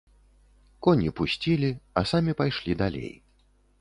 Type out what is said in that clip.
Коні пусцілі, а самі пайшлі далей.